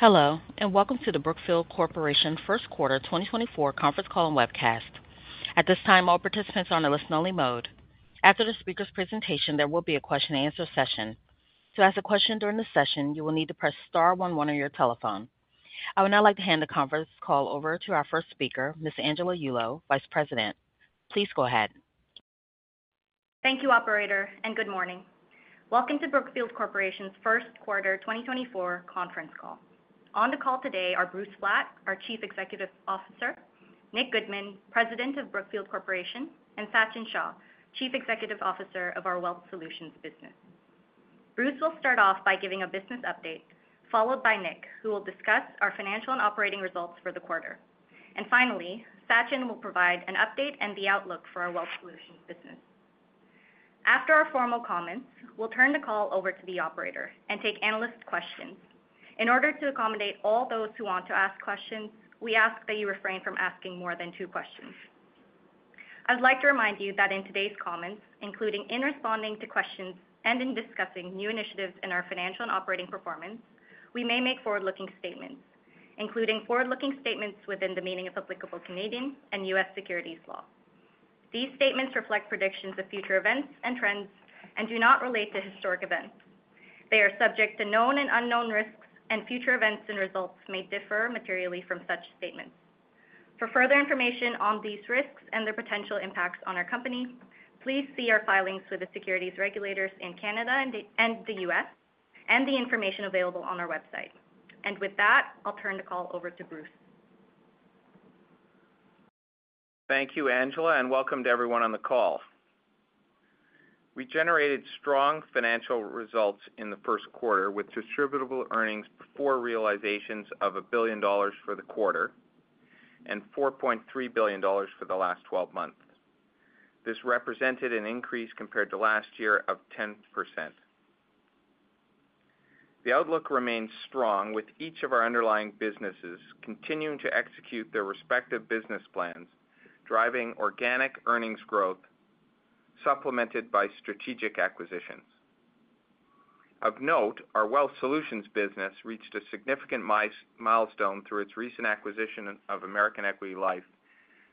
Hello and welcome to the Brookfield Corporation First Quarter 2024 conference call and webcast. At this time, all participants are in a listen-only mode. After the speaker's presentation, there will be a question-and-answer session. To ask a question during the session, you will need to press star one one on your telephone. I would now like to hand the conference call over to our first speaker, Ms. Angela Yulo, Vice President. Please go ahead. Thank you, Operator, and good morning. Welcome to Brookfield Corporation's First Quarter 2024 conference call. On the call today are Bruce Flatt, our Chief Executive Officer, Nick Goodman, President of Brookfield Corporation, and Sachin Shah, Chief Executive Officer of our Wealth Solutions Business. Bruce will start off by giving a business update, followed by Nick, who will discuss our financial and operating results for the quarter. And finally, Sachin will provide an update and the outlook for our Wealth Solutions Business. After our formal comments, we'll turn the call over to the Operator and take analyst questions. In order to accommodate all those who want to ask questions, we ask that you refrain from asking more than two questions. I would like to remind you that in today's comments, including in responding to questions and in discussing new initiatives in our financial and operating performance, we may make forward-looking statements, including forward-looking statements within the meaning of applicable Canadian and U.S. securities law. These statements reflect predictions of future events and trends and do not relate to historic events. They are subject to known and unknown risks, and future events and results may differ materially from such statements. For further information on these risks and their potential impacts on our company, please see our filings with the securities regulators in Canada and the U.S. and the information available on our website. With that, I'll turn the call over to Bruce. Thank you, Angela, and welcome to everyone on the call. We generated strong financial results in the first quarter with distributable earnings before realizations of $1 billion for the quarter and $4.3 billion for the last 12 months. This represented an increase compared to last year of 10%. The outlook remains strong, with each of our underlying businesses continuing to execute their respective business plans, driving organic earnings growth supplemented by strategic acquisitions. Of note, our Wealth Solutions Business reached a significant milestone through its recent acquisition of American Equity Life,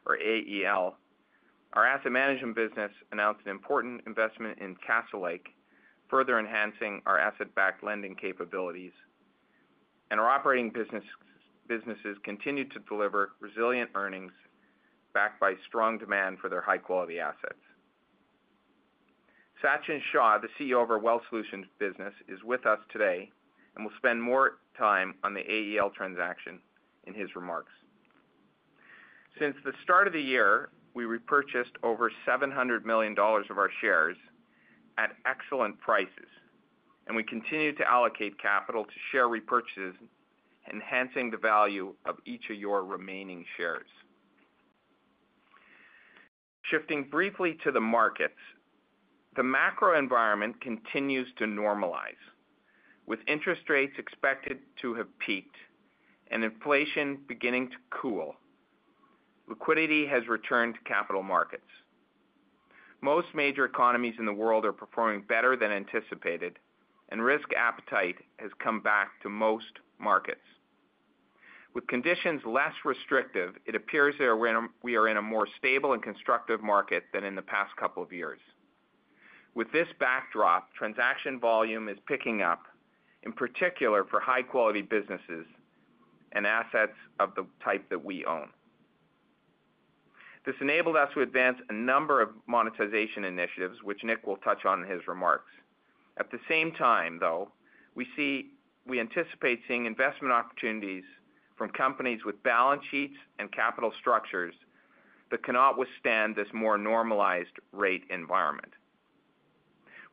or AEL. Our asset management business announced an important investment in Castlelake, further enhancing our asset-backed lending capabilities. Our operating businesses continue to deliver resilient earnings backed by strong demand for their high-quality assets. Sachin Shah, the CEO of our Wealth Solutions Business, is with us today and will spend more time on the AEL transaction in his remarks. Since the start of the year, we repurchased over $700 million of our shares at excellent prices, and we continue to allocate capital to share repurchases, enhancing the value of each of your remaining shares. Shifting briefly to the markets, the macro environment continues to normalize, with interest rates expected to have peaked and inflation beginning to cool. Liquidity has returned to capital markets. Most major economies in the world are performing better than anticipated, and risk appetite has come back to most markets. With conditions less restrictive, it appears that we are in a more stable and constructive market than in the past couple of years. With this backdrop, transaction volume is picking up, in particular for high-quality businesses and assets of the type that we own. This enabled us to advance a number of monetization initiatives, which Nick will touch on in his remarks. At the same time, though, we anticipate seeing investment opportunities from companies with balance sheets and capital structures that cannot withstand this more normalized rate environment.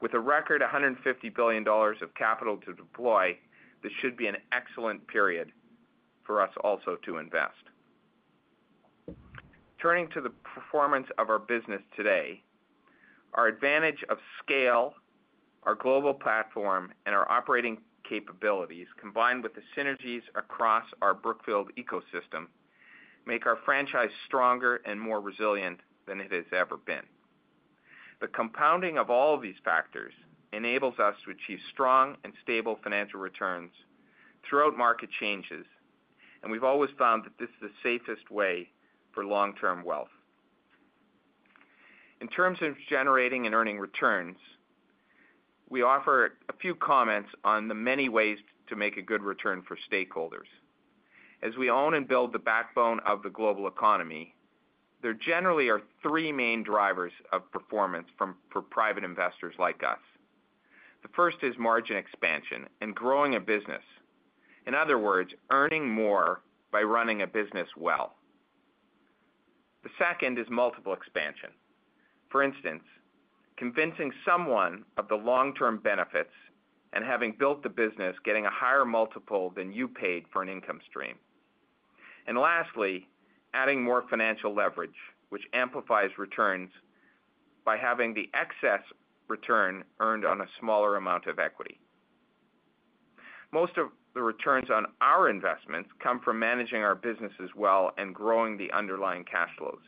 With a record $150 billion of capital to deploy, this should be an excellent period for us also to invest. Turning to the performance of our business today, our advantage of scale, our global platform, and our operating capabilities, combined with the synergies across our Brookfield ecosystem, make our franchise stronger and more resilient than it has ever been. The compounding of all of these factors enables us to achieve strong and stable financial returns throughout market changes, and we've always found that this is the safest way for long-term wealth. In terms of generating and earning returns, we offer a few comments on the many ways to make a good return for stakeholders. As we own and build the backbone of the global economy, there generally are three main drivers of performance for private investors like us. The first is margin expansion and growing a business. In other words, earning more by running a business well. The second is multiple expansion. For instance, convincing someone of the long-term benefits and having built the business getting a higher multiple than you paid for an income stream. And lastly, adding more financial leverage, which amplifies returns by having the excess return earned on a smaller amount of equity. Most of the returns on our investments come from managing our businesses well and growing the underlying cash flows.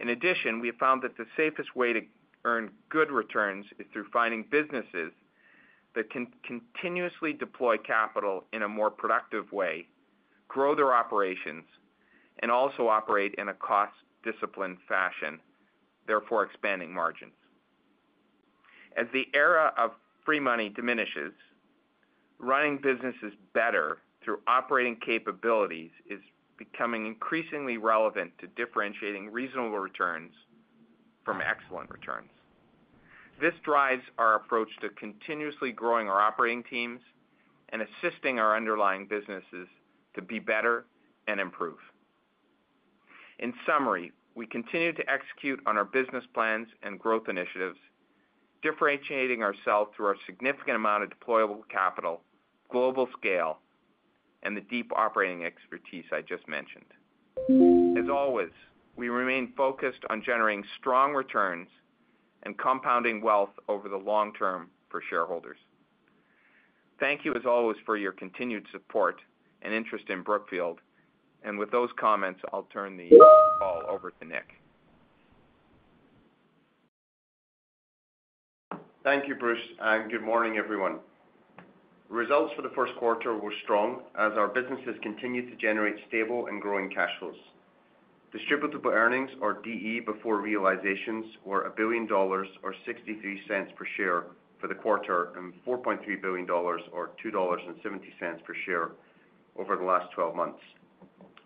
In addition, we have found that the safest way to earn good returns is through finding businesses that can continuously deploy capital in a more productive way, grow their operations, and also operate in a cost-disciplined fashion, therefore expanding margins. As the era of free money diminishes, running businesses better through operating capabilities is becoming increasingly relevant to differentiating reasonable returns from excellent returns. This drives our approach to continuously growing our operating teams and assisting our underlying businesses to be better and improve. In summary, we continue to execute on our business plans and growth initiatives, differentiating ourselves through our significant amount of deployable capital, global scale, and the deep operating expertise I just mentioned. As always, we remain focused on generating strong returns and compounding wealth over the long term for shareholders. Thank you, as always, for your continued support and interest in Brookfield. With those comments, I'll turn the call over to Nick. Thank you, Bruce, and good morning, everyone. Results for the first quarter were strong as our businesses continue to generate stable and growing cash flows. Distributable earnings, or DE before realizations, were $1 billion, or $0.63 per share for the quarter, and $4.3 billion, or $2.70 per share over the last 12 months.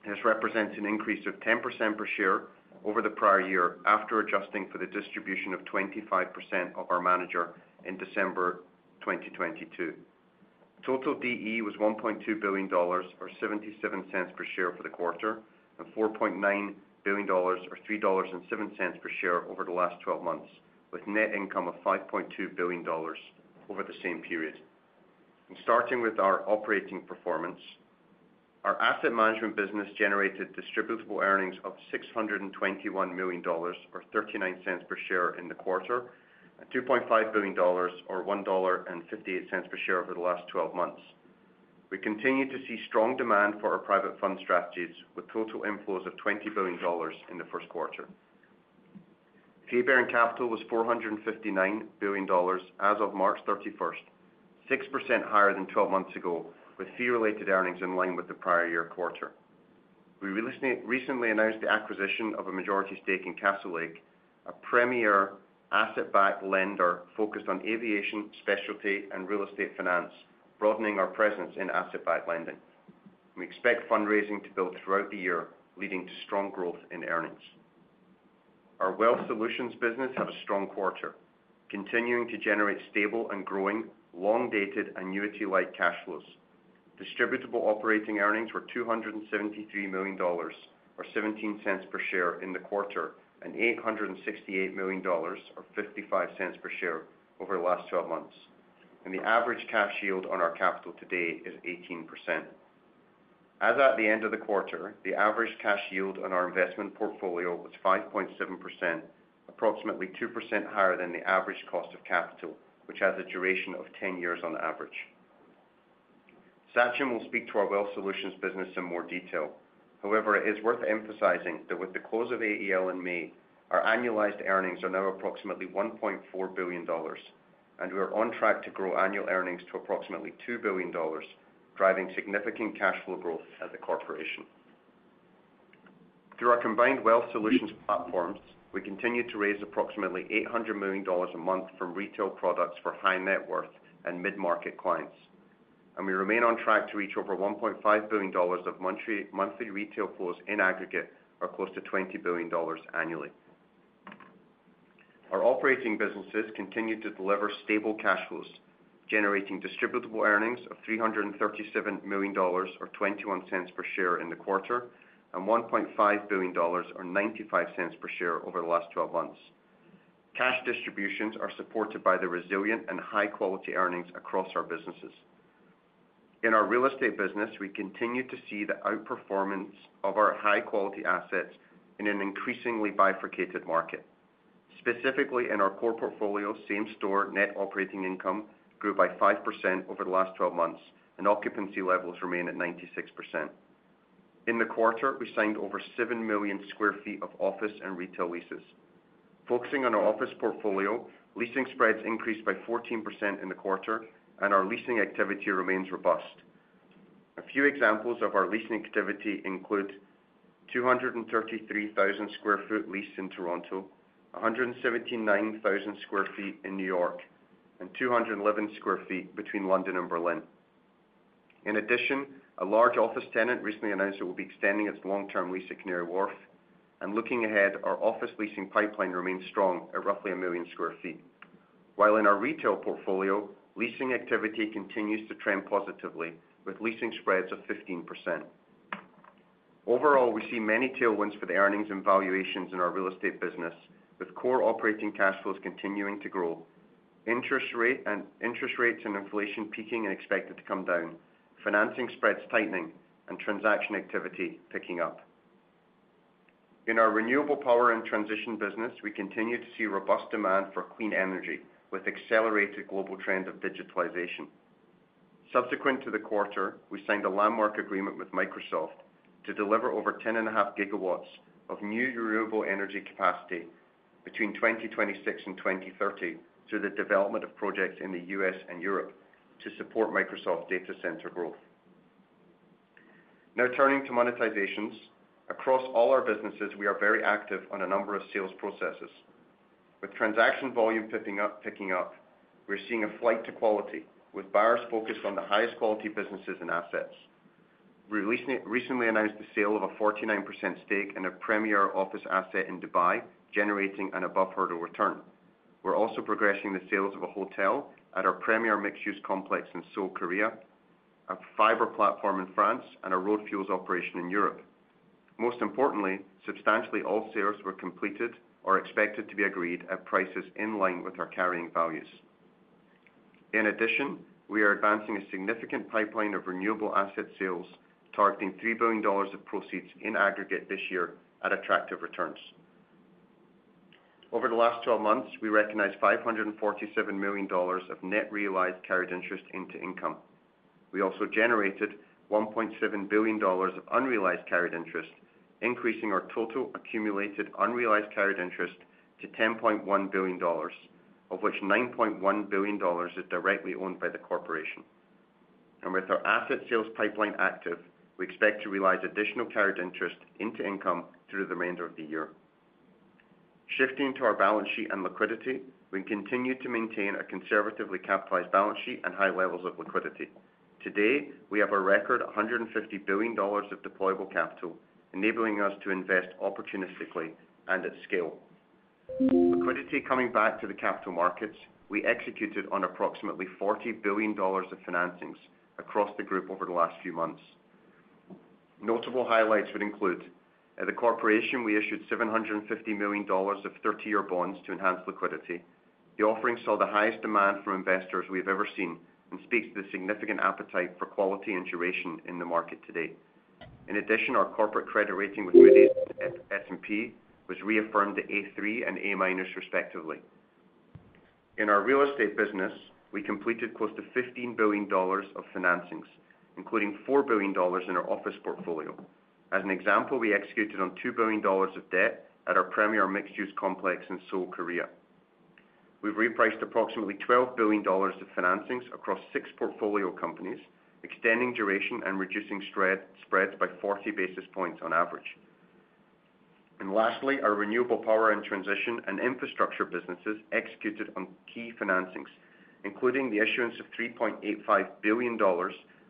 This represents an increase of 10% per share over the prior year after adjusting for the distribution of 25% of our manager in December 2022. Total DE was $1.2 billion, or $0.77 per share for the quarter, and $4.9 billion, or $3.07 per share over the last 12 months, with net income of $5.2 billion over the same period. Starting with our operating performance, our asset management business generated distributable earnings of $621 million, or $0.39 per share in the quarter, and $2.5 billion, or $1.58 per share over the last 12 months. We continue to see strong demand for our private fund strategies, with total inflows of $20 billion in the first quarter. Fee-bearing capital was $459 billion as of March 31st, 6% higher than 12 months ago, with fee-related earnings in line with the prior year quarter. We recently announced the acquisition of a majority stake in Castlelake, a premier asset-backed lender focused on aviation specialty and real estate finance, broadening our presence in asset-backed lending. We expect fundraising to build throughout the year, leading to strong growth in earnings. Our Wealth Solutions Business had a strong quarter, continuing to generate stable and growing, long-dated annuity-like cash flows. Distributable operating earnings were $273 million, or $0.17 per share in the quarter, and $868 million, or $0.55 per share over the last 12 months. The average cash yield on our capital today is 18%. As at the end of the quarter, the average cash yield on our investment portfolio was 5.7%, approximately 2% higher than the average cost of capital, which has a duration of 10 years on average. Sachin will speak to our Wealth Solutions Business in more detail. However, it is worth emphasizing that with the close of AEL in May, our annualized earnings are now approximately $1.4 billion, and we are on track to grow annual earnings to approximately $2 billion, driving significant cash flow growth at the corporation. Through our combined Wealth Solutions platforms, we continue to raise approximately $800 million a month from retail products for high net worth and mid-market clients. We remain on track to reach over $1.5 billion of monthly retail flows in aggregate, or close to $20 billion annually. Our operating businesses continue to deliver stable cash flows, generating distributable earnings of $337 million, or $0.21 per share in the quarter, and $1.5 billion, or $0.95 per share over the last 12 months. Cash distributions are supported by the resilient and high-quality earnings across our businesses. In our real estate business, we continue to see the outperformance of our high-quality assets in an increasingly bifurcated market. Specifically, in our core portfolio, same-store net operating income grew by 5% over the last 12 months, and occupancy levels remain at 96%. In the quarter, we signed over 7 million sq ft of office and retail leases. Focusing on our office portfolio, leasing spreads increased by 14% in the quarter, and our leasing activity remains robust. A few examples of our leasing activity include 233,000 sq ft leased in Toronto, 179,000 sq ft in New York, and 211 sq ft between London and Berlin. In addition, a large office tenant recently announced it will be extending its long-term lease at Canary Wharf. Looking ahead, our office leasing pipeline remains strong at roughly 1 million sq ft, while in our retail portfolio, leasing activity continues to trend positively, with leasing spreads of 15%. Overall, we see many tailwinds for the earnings and valuations in our real estate business, with core operating cash flows continuing to grow, interest rates and inflation peaking and expected to come down, financing spreads tightening, and transaction activity picking up. In our renewable power and transition business, we continue to see robust demand for clean energy, with accelerated global trends of digitalization. Subsequent to the quarter, we signed a landmark agreement with Microsoft to deliver over 10.5 gigawatts of new renewable energy capacity between 2026 and 2030 through the development of projects in the U.S. and Europe to support Microsoft data center growth. Now turning to monetizations, across all our businesses, we are very active on a number of sales processes. With transaction volume picking up, we're seeing a flight to quality, with buyers focused on the highest quality businesses and assets. We recently announced the sale of a 49% stake in a premier office asset in Dubai, generating an above-hurdle return. We're also progressing the sales of a hotel at our premier mixed-use complex in Seoul, Korea, a fiber platform in France, and a road fuels operation in Europe. Most importantly, substantially all sales were completed or expected to be agreed at prices in line with our carrying values. In addition, we are advancing a significant pipeline of renewable asset sales, targeting $3 billion of proceeds in aggregate this year at attractive returns. Over the last 12 months, we recognized $547 million of net realized carried interest into income. We also generated $1.7 billion of unrealized carried interest, increasing our total accumulated unrealized carried interest to $10.1 billion, of which $9.1 billion is directly owned by the corporation. With our asset sales pipeline active, we expect to realize additional carried interest into income through the remainder of the year. Shifting to our balance sheet and liquidity, we continue to maintain a conservatively capitalized balance sheet and high levels of liquidity. Today, we have a record $150 billion of deployable capital, enabling us to invest opportunistically and at scale. Liquidity coming back to the capital markets, we executed on approximately $40 billion of financings across the group over the last few months. Notable highlights would include: at the corporation, we issued $750 million of 30-year bonds to enhance liquidity. The offering saw the highest demand from investors we have ever seen and speaks to the significant appetite for quality and duration in the market today. In addition, our corporate credit rating, which today is S&P and Moody's, was reaffirmed to A3 and A-minus, respectively. In our real estate business, we completed close to $15 billion of financings, including $4 billion in our office portfolio. As an example, we executed on $2 billion of debt at our premier mixed-use complex in Seoul, Korea. We've repriced approximately $12 billion of financings across six portfolio companies, extending duration and reducing spreads by 40 basis points on average. Lastly, our renewable power and transition and infrastructure businesses executed on key financings, including the issuance of $3.85 billion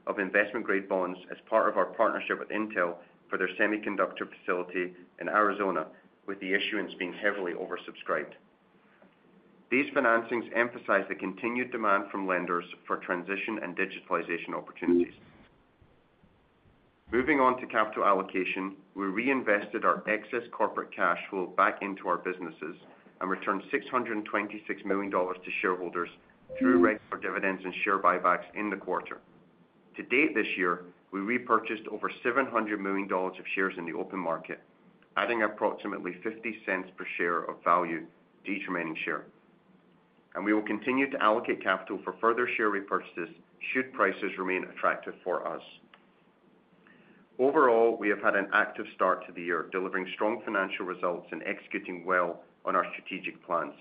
of investment-grade bonds as part of our partnership with Intel for their semiconductor facility in Arizona, with the issuance being heavily oversubscribed. These financings emphasize the continued demand from lenders for transition and digitalization opportunities. Moving on to capital allocation, we reinvested our excess corporate cash flow back into our businesses and returned $626 million to shareholders through regular dividends and share buybacks in the quarter. To date this year, we repurchased over $700 million of shares in the open market, adding approximately $0.50 per share of value to each remaining share. And we will continue to allocate capital for further share repurchases should prices remain attractive for us. Overall, we have had an active start to the year, delivering strong financial results and executing well on our strategic plans.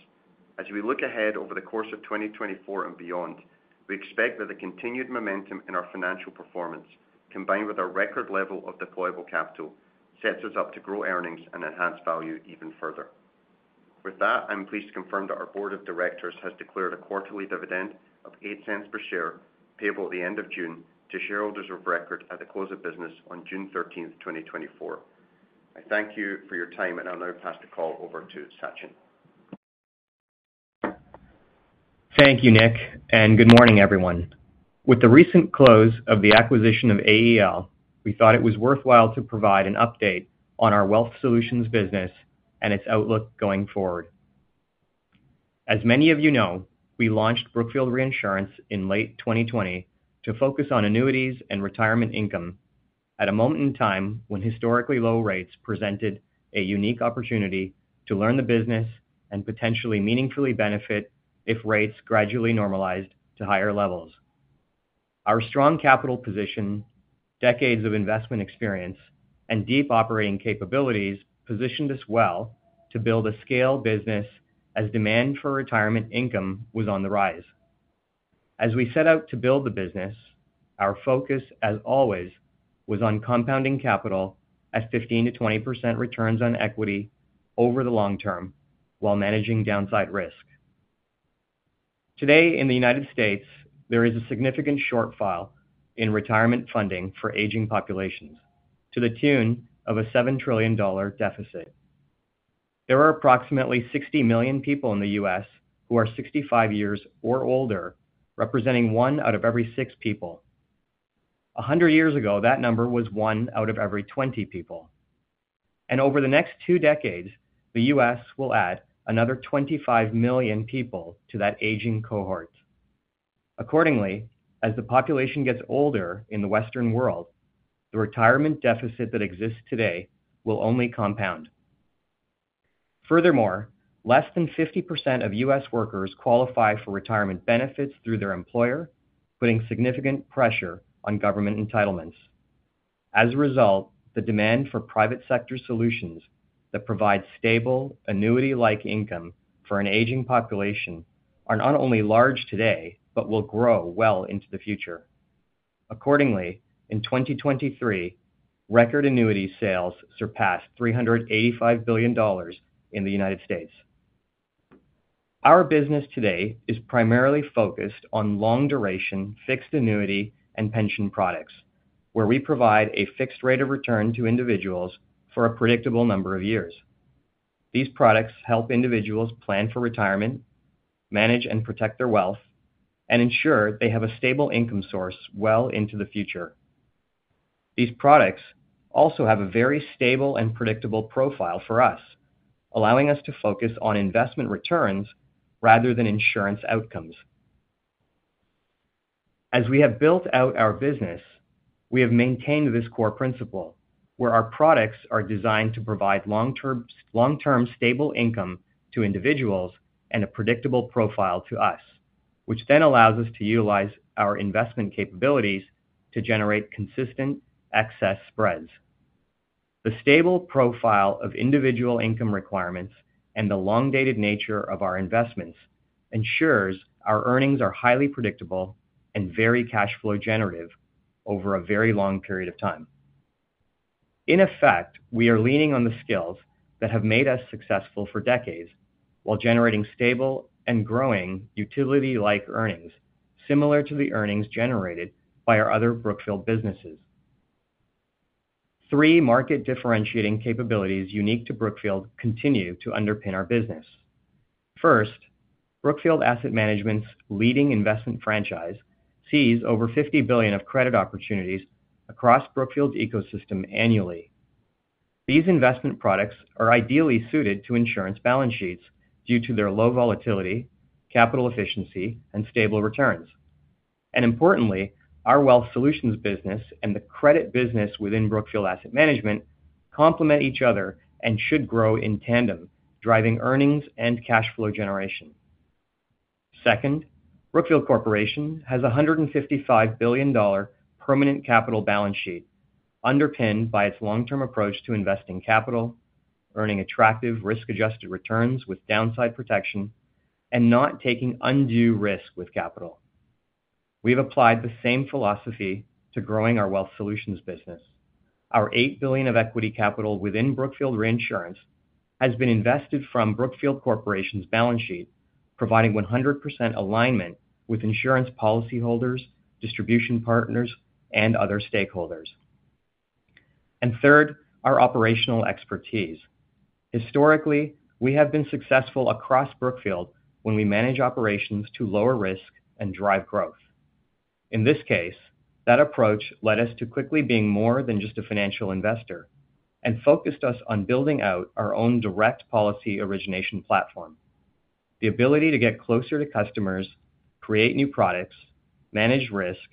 As we look ahead over the course of 2024 and beyond, we expect that the continued momentum in our financial performance, combined with our record level of deployable capital, sets us up to grow earnings and enhance value even further. With that, I'm pleased to confirm that our board of directors has declared a quarterly dividend of $0.08 per share payable at the end of June to shareholders of record at the close of business on June 13th, 2024. I thank you for your time, and I'll now pass the call over to Sachin. Thank you, Nick, and good morning, everyone. With the recent close of the acquisition of AEL, we thought it was worthwhile to provide an update on our Wealth Solutions Business and its outlook going forward. As many of you know, we launched Brookfield Reinsurance in late 2020 to focus on annuities and retirement income at a moment in time when historically low rates presented a unique opportunity to learn the business and potentially meaningfully benefit if rates gradually normalized to higher levels. Our strong capital position, decades of investment experience, and deep operating capabilities positioned us well to build a scale business as demand for retirement income was on the rise. As we set out to build the business, our focus, as always, was on compounding capital at 15%-20% returns on equity over the long term while managing downside risk. Today, in the United States, there is a significant shortfall in retirement funding for aging populations to the tune of a $7 trillion deficit. There are approximately 60 million people in the U.S. who are 65 years or older, representing one out of every six people. 100 years ago, that number was one out of every 20 people. And over the next two decades, the U.S. will add another 25 million people to that aging cohort. Accordingly, as the population gets older in the Western world, the retirement deficit that exists today will only compound. Furthermore, less than 50% of U.S. workers qualify for retirement benefits through their employer, putting significant pressure on government entitlements. As a result, the demand for private sector solutions that provide stable, annuity-like income for an aging population are not only large today but will grow well into the future. Accordingly, in 2023, record annuity sales surpassed $385 billion in the United States. Our business today is primarily focused on long-duration fixed annuity and pension products, where we provide a fixed rate of return to individuals for a predictable number of years. These products help individuals plan for retirement, manage and protect their wealth, and ensure they have a stable income source well into the future. These products also have a very stable and predictable profile for us, allowing us to focus on investment returns rather than insurance outcomes. As we have built out our business, we have maintained this core principle, where our products are designed to provide long-term stable income to individuals and a predictable profile to us, which then allows us to utilize our investment capabilities to generate consistent excess spreads. The stable profile of individual income requirements and the long-dated nature of our investments ensures our earnings are highly predictable and very cash flow generative over a very long period of time. In effect, we are leaning on the skills that have made us successful for decades while generating stable and growing utility-like earnings similar to the earnings generated by our other Brookfield businesses. Three market differentiating capabilities unique to Brookfield continue to underpin our business. First, Brookfield Asset Management's leading investment franchise sees over $50 billion of credit opportunities across Brookfield's ecosystem annually. These investment products are ideally suited to insurance balance sheets due to their low volatility, capital efficiency, and stable returns. And importantly, our Wealth Solutions Business and the credit business within Brookfield Asset Management complement each other and should grow in tandem, driving earnings and cash flow generation. Second, Brookfield Corporation has a $155 billion permanent capital balance sheet underpinned by its long-term approach to investing capital, earning attractive risk-adjusted returns with downside protection, and not taking undue risk with capital. We have applied the same philosophy to growing our Wealth Solutions Business. Our $8 billion of equity capital within Brookfield Reinsurance has been invested from Brookfield Corporation's balance sheet, providing 100% alignment with insurance policyholders, distribution partners, and other stakeholders. And third, our operational expertise. Historically, we have been successful across Brookfield when we manage operations to lower risk and drive growth. In this case, that approach led us to quickly being more than just a financial investor and focused us on building out our own direct policy origination platform. The ability to get closer to customers, create new products, manage risk,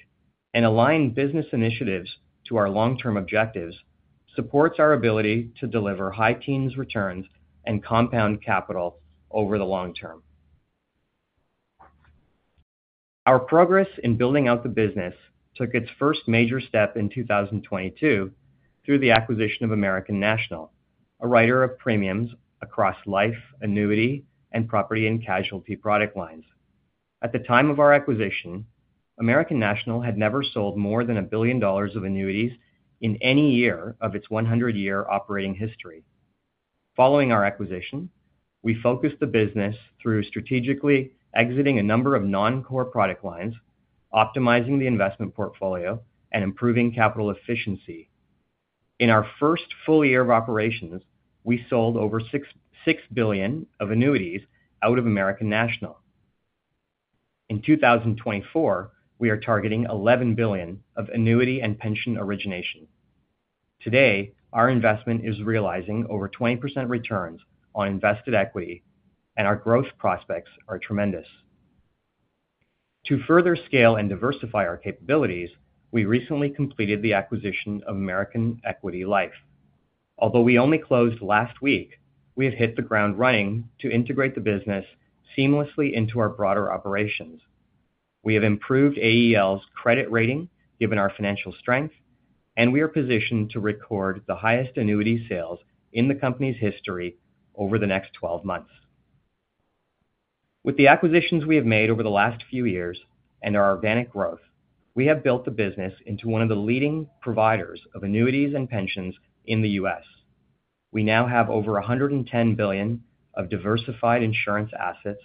and align business initiatives to our long-term objectives supports our ability to deliver high teens returns and compound capital over the long term. Our progress in building out the business took its first major step in 2022 through the acquisition of American National, a writer of premiums across life, annuity, and property and casualty product lines. At the time of our acquisition, American National had never sold more than $1 billion of annuities in any year of its 100-year operating history. Following our acquisition, we focused the business through strategically exiting a number of non-core product lines, optimizing the investment portfolio, and improving capital efficiency. In our first full year of operations, we sold over $6 billion of annuities out of American National. In 2024, we are targeting $11 billion of annuity and pension origination. Today, our investment is realizing over 20% returns on invested equity, and our growth prospects are tremendous. To further scale and diversify our capabilities, we recently completed the acquisition of American Equity Life. Although we only closed last week, we have hit the ground running to integrate the business seamlessly into our broader operations. We have improved AEL's credit rating given our financial strength, and we are positioned to record the highest annuity sales in the company's history over the next 12 months. With the acquisitions we have made over the last few years and our organic growth, we have built the business into one of the leading providers of annuities and pensions in the U.S. We now have over $110 billion of diversified insurance assets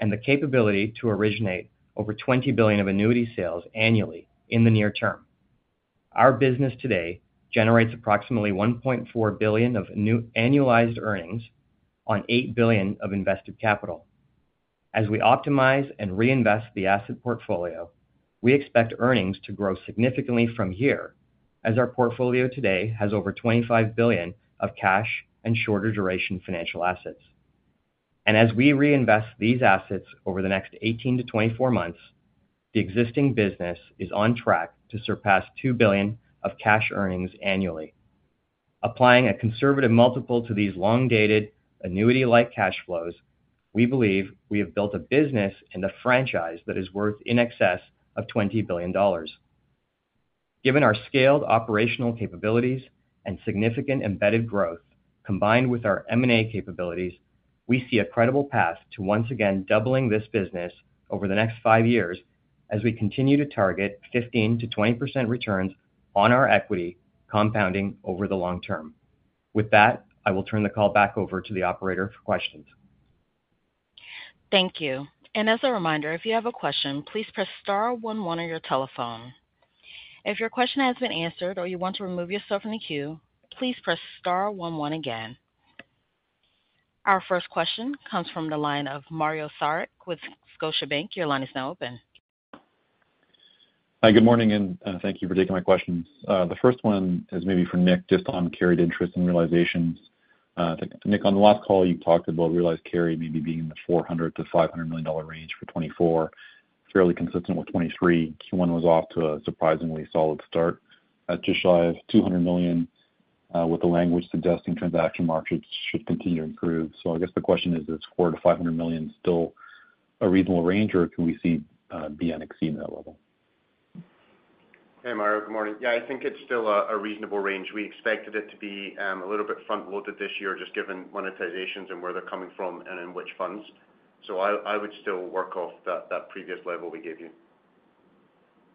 and the capability to originate over $20 billion of annuity sales annually in the near term. Our business today generates approximately $1.4 billion of annualized earnings on $8 billion of invested capital. As we optimize and reinvest the asset portfolio, we expect earnings to grow significantly from here, as our portfolio today has over $25 billion of cash and shorter-duration financial assets. As we reinvest these assets over the next 18 months-24 months, the existing business is on track to surpass $2 billion of cash earnings annually. Applying a conservative multiple to these long-dated annuity-like cash flows, we believe we have built a business and a franchise that is worth in excess of $20 billion. Given our scaled operational capabilities and significant embedded growth combined with our M&A capabilities, we see a credible path to once again doubling this business over the next five years as we continue to target 15%-20% returns on our equity compounding over the long term. With that, I will turn the call back over to the operator for questions. Thank you. As a reminder, if you have a question, please press star 11 on your telephone. If your question has been answered or you want to remove yourself from the queue, please press star 11 again. Our first question comes from the line of Mario Saric with Scotiabank. Your line is now open. Hi, good morning, and thank you for taking my questions. The first one is maybe for Nick just on carried interest and realizations. Nick, on the last call, you talked about realizing carry maybe being in the $400 million-$500 million range for 2024, fairly consistent with 2023. Q1 was off to a surprisingly solid start at just shy of $200 million, with the language suggesting transaction markets should continue to improve. So I guess the question is, is $400 million-$500 million still a reasonable range, or can we see BN exceeding that level? Hey, Mario. Good morning. Yeah, I think it's still a reasonable range. We expected it to be a little bit front-loaded this year, just given monetizations and where they're coming from and in which funds. So I would still work off that previous level we gave you.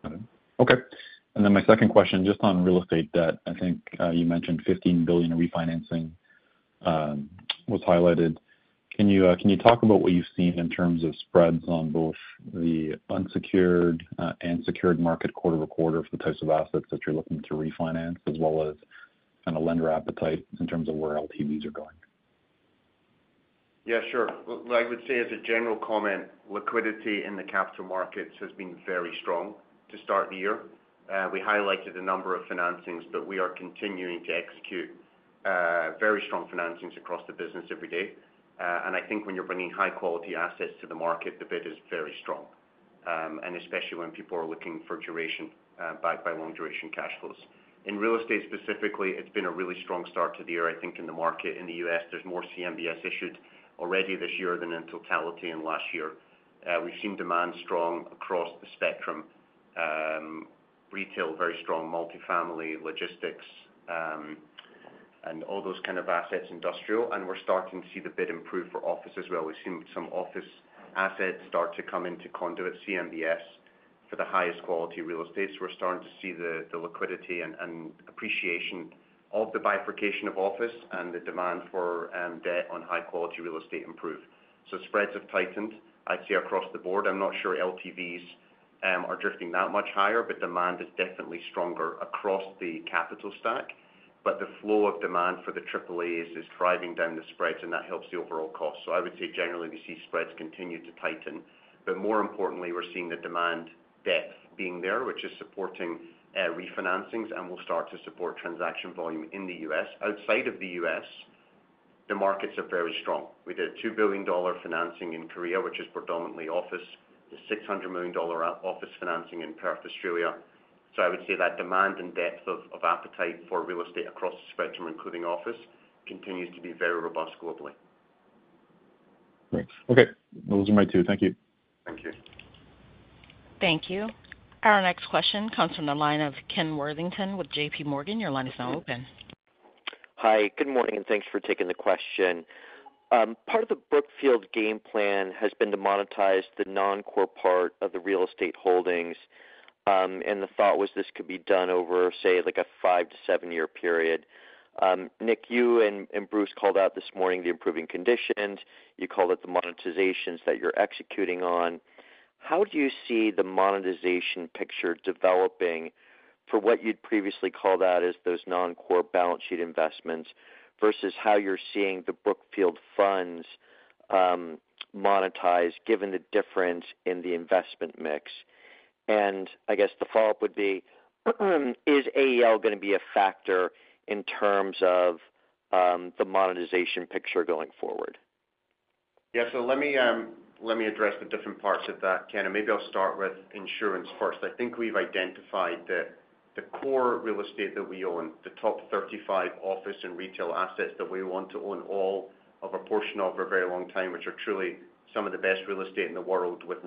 Got it. Okay. And then my second question, just on real estate debt, I think you mentioned $15 billion of refinancing was highlighted. Can you talk about what you've seen in terms of spreads on both the unsecured and secured market quarter-over-quarter for the types of assets that you're looking to refinance, as well as kind of lender appetite in terms of where LTVs are going? Yeah, sure. I would say, as a general comment, liquidity in the capital markets has been very strong to start the year. We highlighted a number of financings, but we are continuing to execute very strong financings across the business every day. And I think when you're bringing high-quality assets to the market, the bid is very strong, and especially when people are looking for long-duration cash flows. In real estate specifically, it's been a really strong start to the year, I think, in the market. In the U.S., there's more CMBS issued already this year than in totality in last year. We've seen demand strong across the spectrum: retail, very strong, multifamily, logistics, and all those kind of assets, industrial. And we're starting to see the bid improve for office as well. We've seen some office assets start to come into conduit CMBS for the highest-quality real estates. We're starting to see the liquidity and appreciation of the bifurcation of office and the demand for debt on high-quality real estate improve. So spreads have tightened, I'd say, across the board. I'm not sure LTVs are drifting that much higher, but demand is definitely stronger across the capital stack. But the flow of demand for the AAAs is driving down the spreads, and that helps the overall cost. So I would say, generally, we see spreads continue to tighten. But more importantly, we're seeing the demand depth being there, which is supporting refinancings, and will start to support transaction volume in the U.S. Outside of the U.S., the markets are very strong. We did a $2 billion financing in Korea, which is predominantly office. There's $600 million office financing in Perth, Australia. I would say that demand and depth of appetite for real estate across the spectrum, including office, continues to be very robust globally. Great. Okay. Those are my two. Thank you. Thank you. Thank you. Our next question comes from the line of Ken Worthington with J.P. Morgan. Your line is now open. Hi. Good morning, and thanks for taking the question. Part of the Brookfield game plan has been to monetize the non-core part of the real estate holdings, and the thought was this could be done over, say, a five to seven year period. Nick, you and Bruce called out this morning the improving conditions. You called out the monetizations that you're executing on. How do you see the monetization picture developing for what you'd previously called out as those non-core balance sheet investments versus how you're seeing the Brookfield funds monetized given the difference in the investment mix? And I guess the follow-up would be, is AEL going to be a factor in terms of the monetization picture going forward? Yeah. So let me address the different parts of that, Ken. And maybe I'll start with insurance first. I think we've identified that the core real estate that we own, the top 35 office and retail assets that we want to own all of a portion of for a very long time, which are truly some of the best real estate in the world with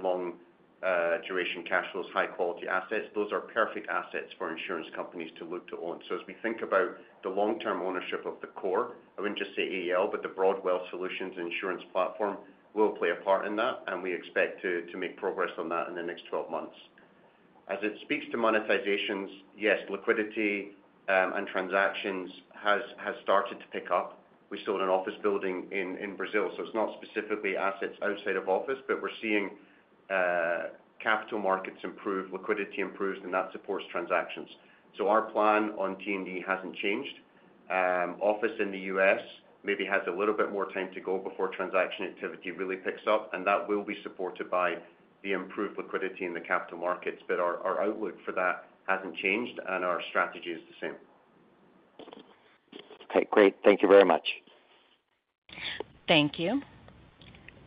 long-duration cash flows, high-quality assets, those are perfect assets for insurance companies to look to own. So as we think about the long-term ownership of the core, I wouldn't just say AEL, but the Brookfield Wealth Solutions Insurance Platform will play a part in that, and we expect to make progress on that in the next 12 months. As it speaks to monetizations, yes, liquidity and transactions have started to pick up. We sold an office building in Brazil. It's not specifically assets outside of office, but we're seeing capital markets improve, liquidity improves, and that supports transactions. Our plan on T&D hasn't changed. Office in the U.S. maybe has a little bit more time to go before transaction activity really picks up, and that will be supported by the improved liquidity in the capital markets. But our outlook for that hasn't changed, and our strategy is the same. Okay. Great. Thank you very much. Thank you.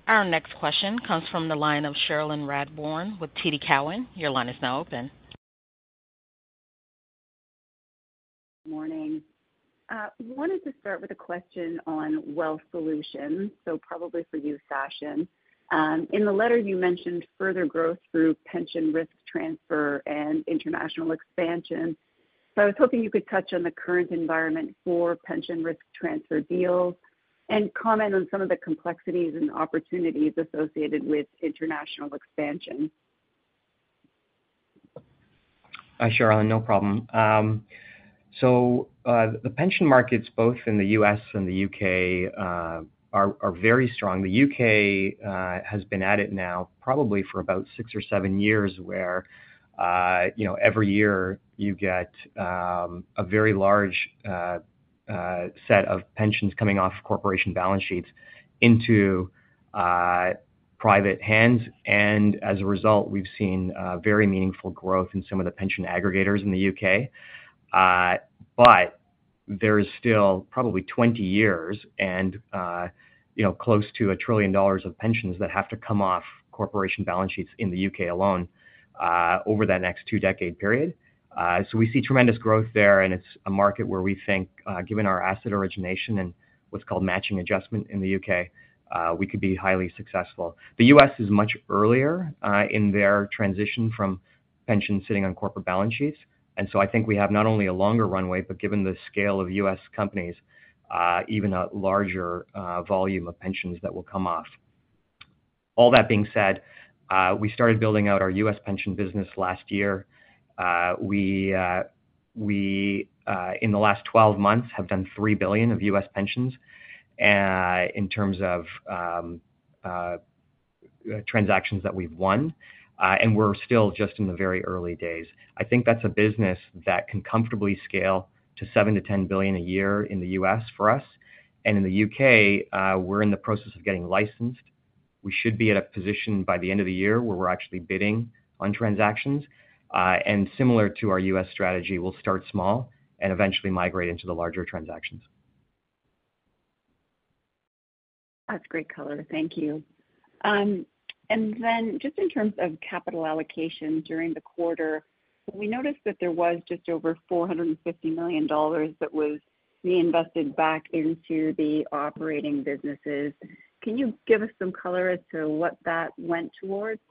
Our next question comes from the line of Cherilyn Radbourne with TD Cowen. Your line is now open. Good morning. I wanted to start with a question on Wealth Solutions, so probably for you, Sachin. In the letter, you mentioned further growth through pension risk transfer and international expansion. So I was hoping you could touch on the current environment for pension risk transfer deals and comment on some of the complexities and opportunities associated with international expansion. Cherilyn, no problem. So the pension markets, both in the U.S. and the U.K., are very strong. The U.K. has been at it now probably for about six or seven years where every year you get a very large set of pensions coming off corporation balance sheets into private hands. And as a result, we've seen very meaningful growth in some of the pension aggregators in the U.K. But there's still probably 20 years and close to $1 trillion of pensions that have to come off corporation balance sheets in the U.K. alone over that next two-decade period. So we see tremendous growth there, and it's a market where we think, given our asset origination and what's called Matching Adjustment in the U.K., we could be highly successful. The U.S. is much earlier in their transition from pensions sitting on corporate balance sheets. So I think we have not only a longer runway, but given the scale of U.S. companies, even a larger volume of pensions that will come off. All that being said, we started building out our U.S. pension business last year. We, in the last 12 months, have done $3 billion of U.S. pensions in terms of transactions that we've won, and we're still just in the very early days. I think that's a business that can comfortably scale to $7 billion-$10 billion a year in the U.S. for us. In the U.K., we're in the process of getting licensed. We should be at a position by the end of the year where we're actually bidding on transactions. Similar to our U.S. strategy, we'll start small and eventually migrate into the larger transactions. That's great color. Thank you. And then just in terms of capital allocation during the quarter, we noticed that there was just over $450 million that was reinvested back into the operating businesses. Can you give us some color as to what that went towards?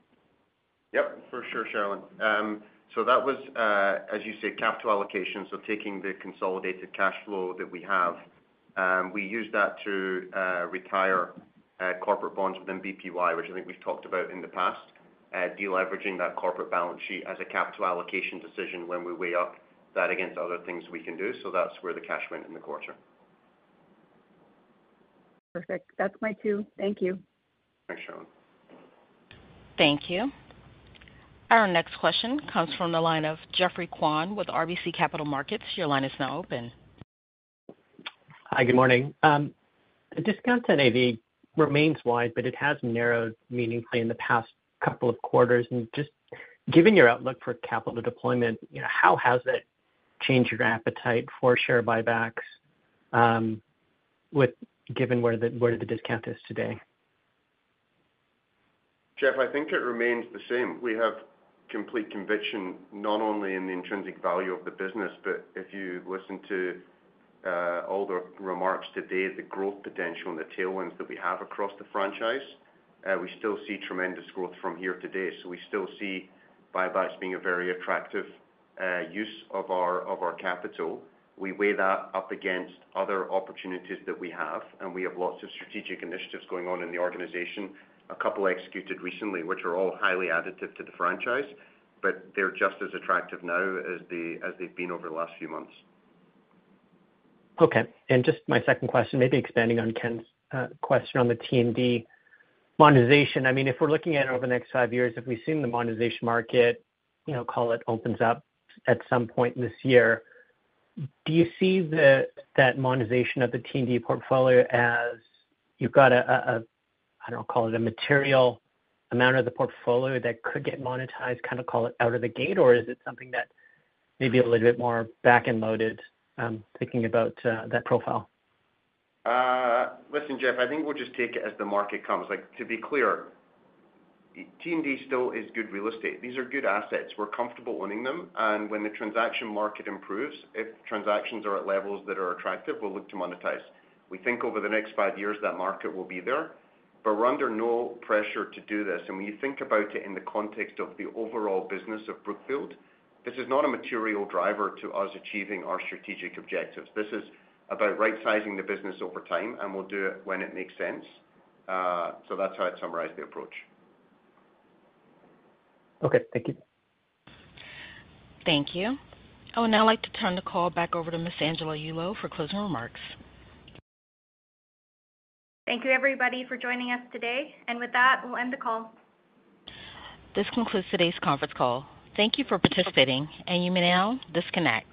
Yep, for sure, Cherilyn. So that was, as you say, capital allocation, so taking the consolidated cash flow that we have. We used that to retire corporate bonds within BPY, which I think we've talked about in the past, de-leveraging that corporate balance sheet as a capital allocation decision when we weigh up that against other things we can do. So that's where the cash went in the quarter. Perfect. That's my two. Thank you. Thanks, Cherilyn. Thank you. Our next question comes from the line of Geoffrey Kwan with RBC Capital Markets. Your line is now open. Hi, good morning. Discounts at NAV remains wide, but it has narrowed meaningfully in the past couple of quarters. Just given your outlook for capital deployment, how has that changed your appetite for share buybacks, given where the discount is today? Jeff, I think it remains the same. We have complete conviction, not only in the intrinsic value of the business, but if you listen to older remarks today, the growth potential and the tailwinds that we have across the franchise, we still see tremendous growth from here today. So we still see buybacks being a very attractive use of our capital. We weigh that up against other opportunities that we have, and we have lots of strategic initiatives going on in the organization, a couple executed recently, which are all highly additive to the franchise, but they're just as attractive now as they've been over the last few months. Okay. And just my second question, maybe expanding on Ken's question on the T&D monetization. I mean, if we're looking at it over the next five years, if we've seen the monetization market, call it, opens up at some point this year, do you see that monetization of the T&D portfolio as you've got a, I don't know, call it, a material amount of the portfolio that could get monetized, kind of call it, out of the gate, or is it something that may be a little bit more back-and-loaded, thinking about that profile? Listen, Jeff, I think we'll just take it as the market comes. To be clear, T&D still is good real estate. These are good assets. We're comfortable owning them. And when the transaction market improves, if transactions are at levels that are attractive, we'll look to monetize. We think over the next five years that market will be there. But we're under no pressure to do this. And when you think about it in the context of the overall business of Brookfield, this is not a material driver to us achieving our strategic objectives. This is about right-sizing the business over time, and we'll do it when it makes sense. So that's how I'd summarize the approach. Okay. Thank you. Thank you. Oh, and I'd like to turn the call back over to Miss Angela Yulo for closing remarks. Thank you, everybody, for joining us today. With that, we'll end the call. This concludes today's conference call. Thank you for participating, and you may now disconnect.